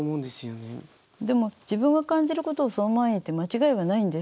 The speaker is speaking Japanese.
でも自分が感じることをそのまま言って間違いはないんです。